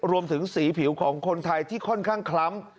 รวมถึงสีผิวของคนไทยที่ค่อนข้างคล้ำ